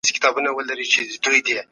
حکومت بايد عدالت تامين کړي.